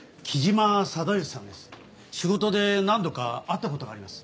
仕事で何度か会った事があります。